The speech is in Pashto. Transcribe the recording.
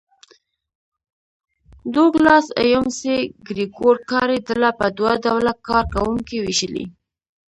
ډوګلاس اېم سي ګرېګور کاري ډله په دوه ډوله کار کوونکو وېشلې.